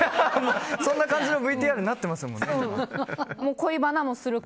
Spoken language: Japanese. そんな感じのＶＴＲになってますもんね。